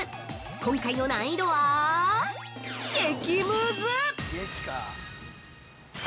今回の難易度は激ムズ！